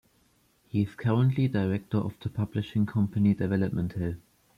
He is currently director of the publishing company Development Hell.